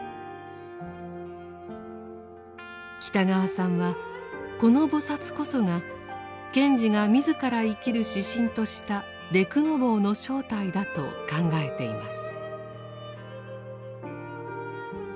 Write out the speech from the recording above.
北川さんはこの菩薩こそが賢治が自ら生きる指針とした「デクノボー」の正体だと考えています。